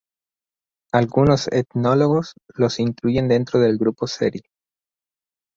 Algunos etnólogos los incluyen dentro del grupo seri.